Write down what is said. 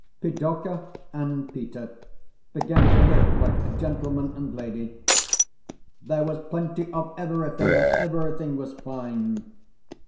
Pidorka and Peter began to live like a gentleman and lady. There was plenty of everything and everything was fine....